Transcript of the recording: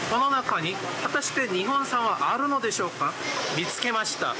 見付けました。